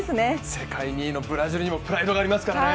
世界２位のブラジルにもプライドがありますからね。